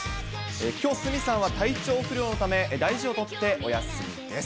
きょう、鷲見さんは体調不良のため、大事を取ってお休みです。